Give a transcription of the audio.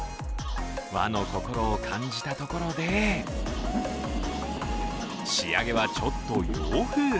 私の心を感じたところで、仕上げはちょっと洋風。